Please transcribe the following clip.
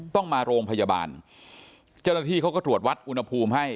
ต้องมาโรงพยาบาลเจ้าหน้าที่เขาก็ตรวจวัดอุณหภูมิให้